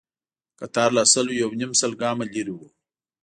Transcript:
کتار لا سل يونيم سل ګامه لرې و.